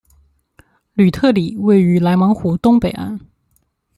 吕特里位于莱芒湖东北岸。